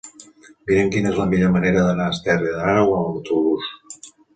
Mira'm quina és la millor manera d'anar a Esterri d'Àneu amb autobús.